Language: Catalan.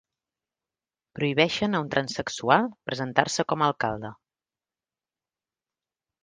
Prohibeixen a un transsexual presentar-se com a alcalde